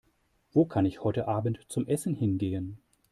Wo kann ich heute Abend zum Essen hingehen?